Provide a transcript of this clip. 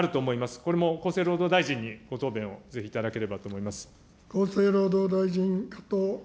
これも厚生労働大臣にご答弁をぜひいただければと思います。